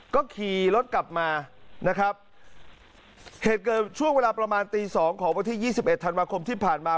ก็ขี่รถกลับมานะครับเหตุเกิดช่วงเวลาประมาณตีสองของวันที่ยี่สิบเอ็ดธันวาคมที่ผ่านมา